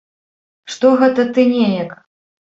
Што гэта ты неяк?